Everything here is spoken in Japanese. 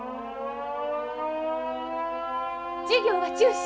・授業は中止！